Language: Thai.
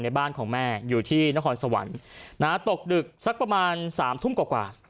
บ้านของแม่อยู่ที่นครสวรรค์ตกดึกสักประมาณ๓ทุ่มกว่า